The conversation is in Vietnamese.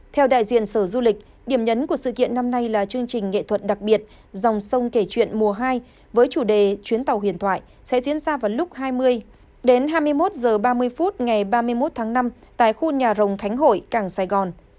theo đại diện sở du lịch điểm nhấn của sự kiện năm nay là chương trình nghệ thuật đặc biệt dòng sông kể chuyện mùa hai với chủ đề chuyến tàu huyền thoại sẽ diễn ra vào lúc hai mươi đến hai mươi một h ba mươi phút ngày ba mươi một tháng năm tại khu nhà rồng khánh hội cảng sài gòn